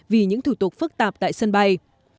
vì những thủ tục phức tạp tại sân bay